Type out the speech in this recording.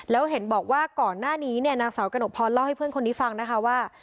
แล้วเห็นบอกว่าก่อนหน้านี้เนี่ยนางสาวกระหนกพรเล่าให้เพื่อนคนนี้ฟังนะคะว่า